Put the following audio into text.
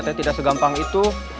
bahwa seaham tamu itu